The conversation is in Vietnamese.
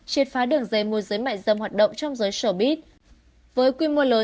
triệt pha đường dây hoa khôi cà siêu hà nội